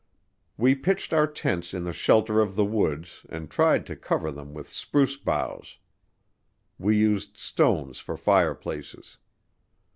We pitched our tents in the shelter of the woods and tried to cover them with spruce boughs. We used stones for fireplaces.